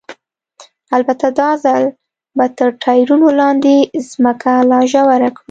البته دا ځل به تر ټایرونو لاندې ځمکه لا ژوره کړو.